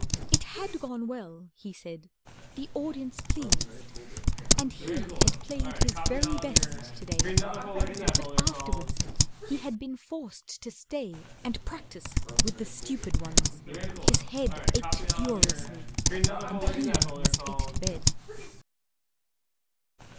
It had gone well, he said, the audience pleased, And he had played his very best to day, But afterwards he had been forced to stay And practise with the stupid ones. His head Ached furiously, and he must get to bed.